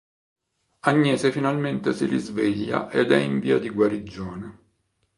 Agnese finalmente si risveglia ed è in via di guarigione.